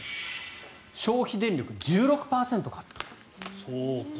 消費電力、１６％カット。